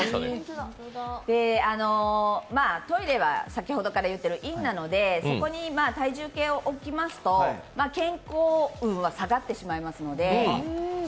トイレは先ほどから言っている陰なので、そこに体重計を置きますと、健康運は下がってしまいますので。